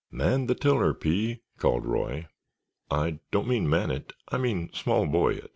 "Man the tiller, Pee," called Roy. "I don't mean man it, I mean small boy it."